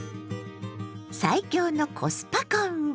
最強のコスパコンビ！